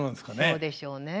そうでしょうね。